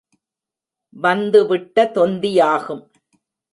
வந்து விட்ட தொந்தியாகும்.